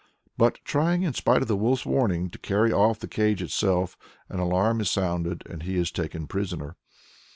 But trying, in spite of the wolf's warning, to carry off the cage itself, an alarm is sounded, and he is taken prisoner.